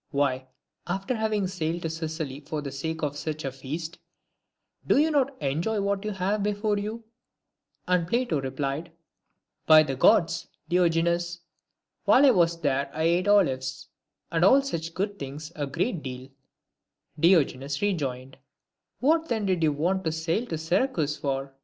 why, after having sailed to Sicily for the sake of such a feast, do you not now enjoy what you have before you?" And Plato replied, Q 226 LIVES OF EMINENT PHILOSOPHERS. " By the Gods, Diogenes, while I was there I ate olives and all such things a great deal." Diogenes rejoined, " What then did you want to sail to Syracuse for